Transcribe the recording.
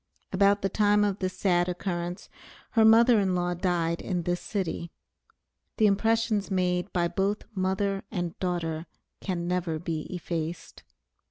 About the time of this sad occurrence, her mother in law died in this city. The impressions made by both mother and daughter can never be effaced.